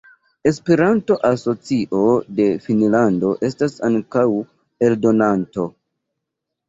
Esperanto-Asocio de Finnlando estas ankaŭ eldonanto.